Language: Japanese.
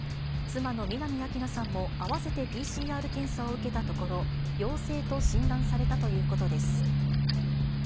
妻の南明奈さんも合わせてＰＣＲ検査を受けたところ、陽性と診断されたということです。